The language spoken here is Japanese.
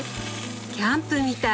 キャンプみたい！